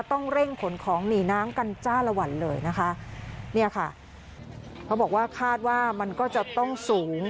ต้องเร่งขนของหนีน้ำกันจ้าละวันเลยนะคะเนี่ยค่ะเขาบอกว่าคาดว่ามันก็จะต้องสูง